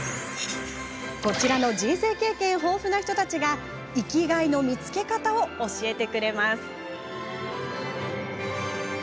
こちらの人生経験豊富な人たちが生きがいの見つけ方を教えてくれます。